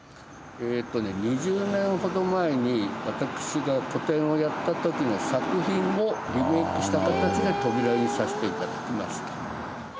えーっとね２０年ほど前に私が個展をやった時の作品をリメイクした形で扉にさせて頂きました。